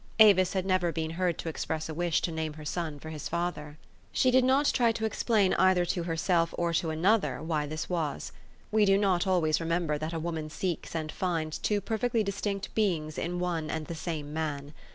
Avis had never been heard to express a wish to name her son for his father. She did not try to explain either to herself or to another why this was. We do not always re member that a woman seeks and finds two perfectly distinct beings in one and the same man.